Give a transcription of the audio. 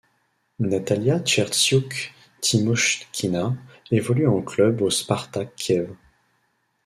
Natalia Tcherstiouk-Timochkina évolue en club au Spartak Kiev.